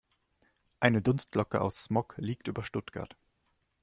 Eine Dunstglocke aus Smog liegt über Stuttgart.